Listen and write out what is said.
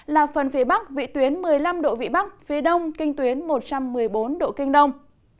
là phần phía bắc vị tuyến một mươi năm độ vị bắc phía đông kinh tuyến một trăm một mươi bốn độ kinh đông